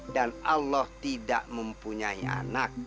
dan allah tidak mempunyai anak